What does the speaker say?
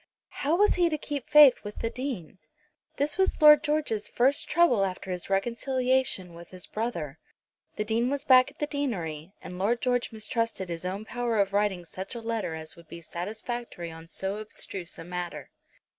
How was he to keep faith with the Dean? This was Lord George's first trouble after his reconciliation with his brother. The Dean was back at the deanery, and Lord George mistrusted his own power of writing such a letter as would be satisfactory on so abstruse a matter.